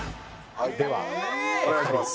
はいお願いします。